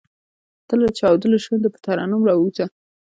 تۀ لۀ چاودلو شونډو پۀ ترنم راووځه !